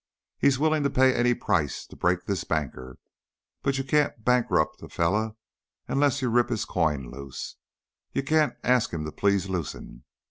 He's willing to pay any price to break this banker, but you can't bankrupt a feller unless you rip his coin loose; you can't ask him to please loosen.